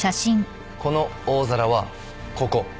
この大皿はここ。